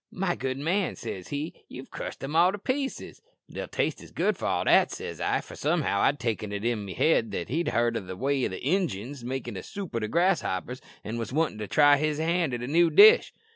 "'My good man,' says he, 'you've crushed them all to pieces!' "'They'll taste as good for all that,' says I; for somehow I'd taken't in me head that he'd heard o' the way the Injuns make soup o' the grasshoppers, an' wos wantin' to try his hand at a new dish!